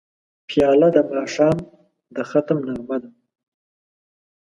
پیاله د ماښام د ختم نغمه ده.